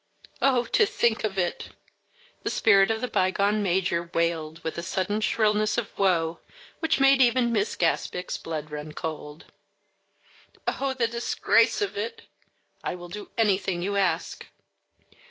"Oh, to think of it!" the spirit of the bygone major wailed with a sudden shrillness of woe which made even Miss Gaspic's blood run cold. "Oh, the disgrace of it! I will do anything you ask."